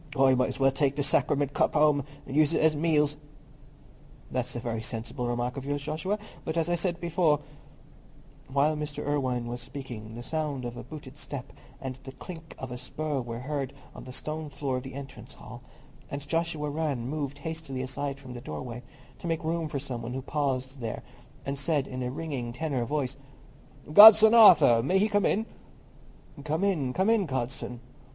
I might as well take the Sacriment cup home and use it at meals." "That's a very sensible remark of yours, Joshua; but, as I said before——" While Mr. Irwine was speaking, the sound of a booted step and the clink of a spur were heard on the stone floor of the entrance hall, and Joshua Rann moved hastily aside from the doorway to make room for some one who paused there, and said, in a ringing tenor voice, "Godson Arthur—may he come in?" "Come in, come in, godson!"